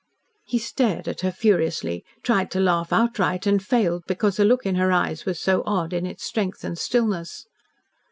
He stared at her furiously tried to laugh outright, and failed because the look in her eyes was so odd in its strength and stillness.